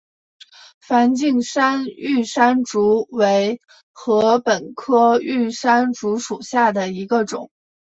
梵净山玉山竹为禾本科玉山竹属下的一个种。